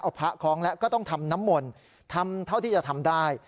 เอาพระคล้องแล้วก็ต้องทำน้ำมนต์ทำเท่าที่จะทำได้